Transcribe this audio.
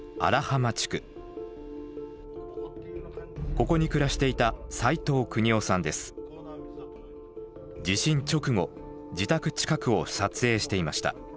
ここに暮らしていた地震直後自宅近くを撮影していました。